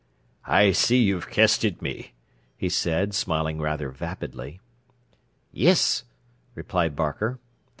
"I see you've kested me," he said, smiling rather vapidly. "Yes," replied Barker.